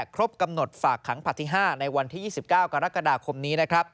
ครบกำหนดฝากขังผลัดที่๕ในวันที่๒๙กรกฎาคมนี้